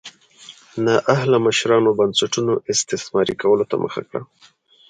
نااهله مشرانو بنسټونو استثماري کولو ته مخه کړه.